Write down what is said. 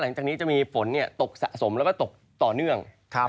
หลังจากนี้จะมีฝนตกสะสมแล้วก็ตกต่อเนื่อง